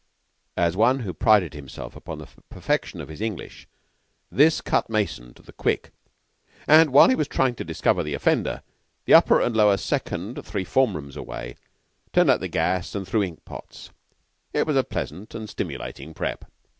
As one who prided himself upon the perfection of his English this cut Mason to the quick, and while he was trying to discover the offender, the Upper and Lower Second, three form rooms away, turned out the gas and threw ink pots. It was a pleasant and stimulating "prep."